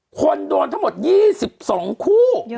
คนโดนทั้งหมด๒๒คู่